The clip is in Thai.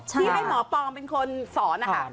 ที่ให้หมอปอมเป็นคนสอน